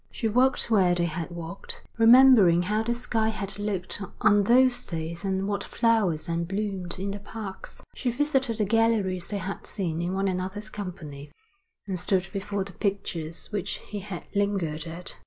She walked where they had walked, remembering how the sky had looked on those days and what flowers then bloomed in the parks; she visited the galleries they had seen in one another's company, and stood before the pictures which he had lingered at.